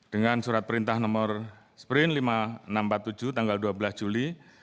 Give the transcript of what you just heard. dengan surat perintah nomor sprint lima ribu enam ratus empat puluh tujuh tanggal dua belas juli